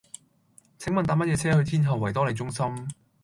請問搭乜嘢車去天后維多利中心